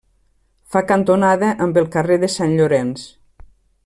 Fa cantonada amb el carrer de Sant Llorenç.